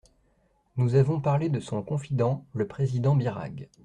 Nous avons parlé de son confident, le président Birague.